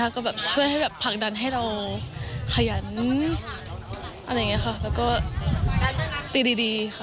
ก็ช่วยผลักดันให้เราขยันแล้วก็ตีดีค่ะ